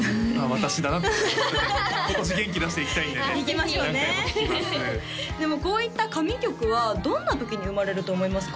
私だなって今年元気出していきたいんでねいきましょうね何回も聴きますでもこういった神曲はどんな時に生まれると思いますか？